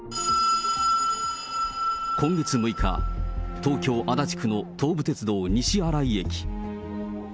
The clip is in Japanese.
今月６日、東京・足立区の東武鉄道西新井駅。